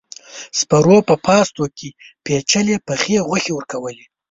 سپرو په پاستو کې پيچلې پخې غوښې ورکولې.